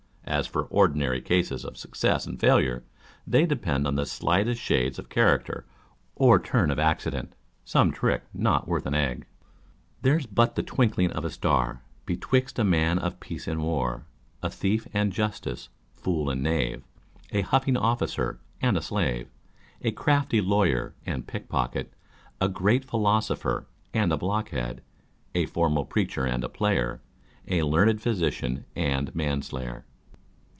As for ordinary cases of success and failure, they depend on the slightest shades of character or turn of accident â€" " some trick not worth an egg " There's but the twinkling of a star Betwixt a man of peace and war ; A thief and justice, fool and knave, A huffing officer and a slave ; A crafty lawyer and pick pocket, A great philosopher and a blockhead ; A formal preacher and a player, A learn'd physician and manslayer.